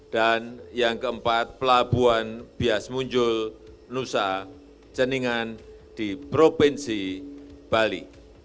dan yang keempat pelabuhan bias munjul nusa ceningan di provinsi bali